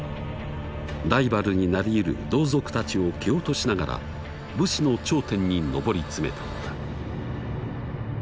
ライバルになりうる同族たちを蹴落としながら武士の頂点に上り詰めたのだ。